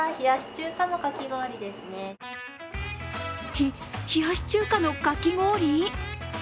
ひ、冷やし中華のかき氷！？